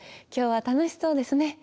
今日は楽しそうですね。